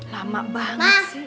lama banget sih